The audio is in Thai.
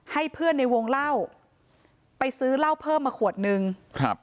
ให้เพื่อนในวงเล่าไปซื้อเหล้าเพิ่มมาขวดนึงครับ